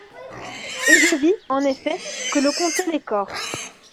Et je vis, en effet, que l'on comptait les corps.